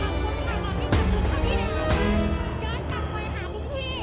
อันนี้ว่าอะไรค่ะอันนี้ว่าอะไรขี้